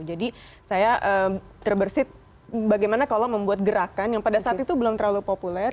jadi saya terbersih bagaimana kalau membuat gerakan yang pada saat itu belum terlalu populer